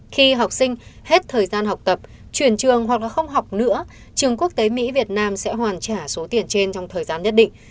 khi học sinh hết thời gian học tập chuyển trường hoặc là không học nữa trường quốc tế mỹ việt nam sẽ hoàn trả số tiền trên trong thời gian nhất định